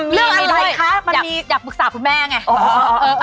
มีด้วยมันมีอยากปรึกษาคุณแม่ไงอ๋ออ๋อเออ